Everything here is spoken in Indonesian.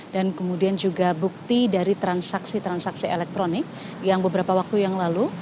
dan kemudian juga bukti dari transaksi transaksi elektronik yang beberapa waktu yang lalu